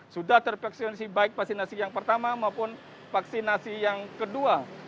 sudah tervaksinasi baik vaksinasi yang pertama maupun vaksinasi yang kedua